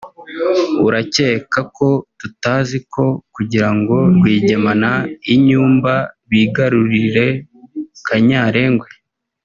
urakeka ko tutazi ko kugirango Rwigyema na Inyumba bigarurire Kanyarengwe